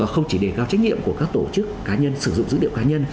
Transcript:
không chỉ đề cao trách nhiệm của các tổ chức cá nhân sử dụng dữ liệu cá nhân